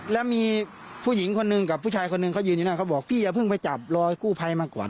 แล้วมีผู้หญิงคนหนึ่งกับผู้ชายคนหนึ่งเขายืนอยู่นั่นเขาบอกพี่อย่าเพิ่งไปจับรอกู้ภัยมาก่อน